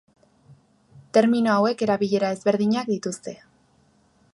Termino hauek erabilera ezberdinak dituzte.